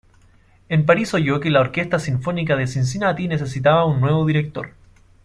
En París oyó que la Orquesta Sinfónica de Cincinnati necesitaba un nuevo director.